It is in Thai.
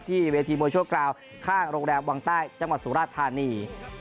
เวทีมวยชั่วคราวข้างโรงแรมวังใต้จังหวัดสุราธานี